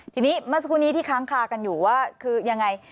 ทีนี้เมื่อสักครู่นี้ที่ค้างคากันอยู่ว่าคือยังไง